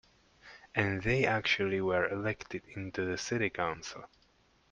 And they actually were elected into the city council.